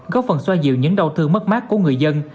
góp phần xoa dịu những đau thương mất mát của người dân